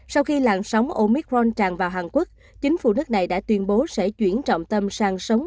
sau khi làn sóng omicron tràn vào hàn quốc chính phủ nước này đã tuyên bố sẽ chuyển trọng tâm sang sống